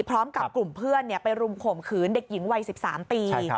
พร้อมกับกลุ่มเพื่อนไปรุมข่มขืนเด็กหญิงวัย๑๓ปี